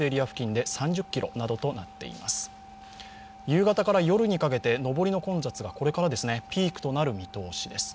夕方から夜にかけて上りの混雑がこれからピークとなる見通しです。